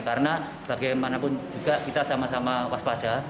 karena bagaimanapun juga kita sama sama waspada